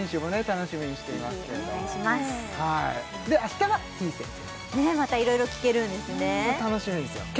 楽しみですよまたいろいろ聞けるんですね